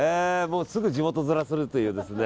もう、すぐ地元ヅラするという。